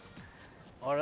あれ？